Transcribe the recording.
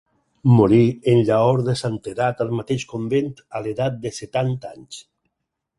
Morí en llaor de santedat al mateix convent, a l'edat de setanta anys.